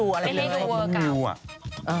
เพราะน้องมิวอะ